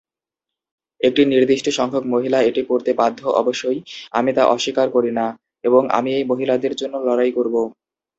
একটি নির্দিষ্ট সংখ্যক মহিলা এটি পরতে বাধ্য, অবশ্যই, আমি তা অস্বীকার করি না, এবং আমি এই মহিলাদের জন্য লড়াই করব।